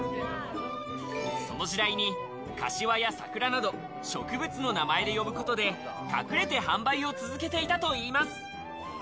その時代に、かしわやさくらなど、植物の名前で呼ぶことで、隠れて販売を続けていたといいます。